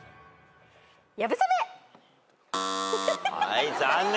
はい残念。